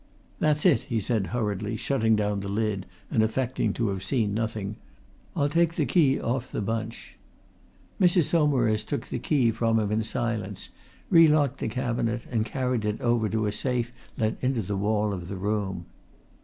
"That's it," he said hurriedly, shutting down the lid and affecting to have seen nothing. "I'll take the key off the bunch." Mrs. Saumarez took the key from him in silence, relocked the cabinet, and carried it over to a safe let in to the wall of the room.